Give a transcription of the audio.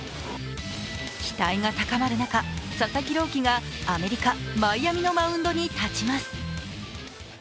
期待が高まる中、佐々木朗希がアメリカ・マイアミのマウンドに立ちます。